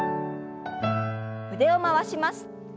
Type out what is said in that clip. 腕を回します。